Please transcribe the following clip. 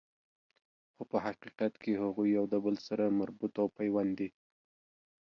خو په حقیقت کی هغوی یو د بل سره مربوط او پیوند دي